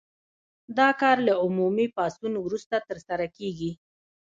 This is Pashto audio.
دا کار له عمومي پاڅون وروسته ترسره کیږي.